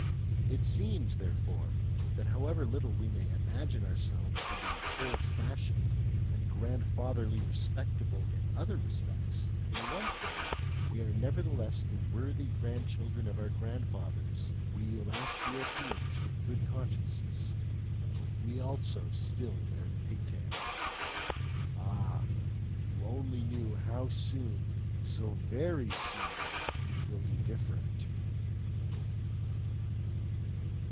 It seems, therefore, that however little we may imagine ourselves to be old fashioned and grandfatherly respectable in other respects, in one thing we are nevertheless the worthy grandchildren of our grandfathers, we last Europeans with good consciences: we also still wear their pigtail. Ah! if you only knew how soon, so very soon it will be different!